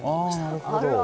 あなるほど。